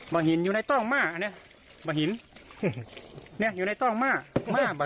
หินอยู่ในต้องม่าอันนี้บ่หินเนี่ยอยู่ในต้องม่าม่าบ่